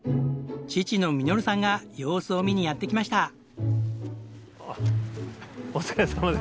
父の実さんが様子を見にやって来ました。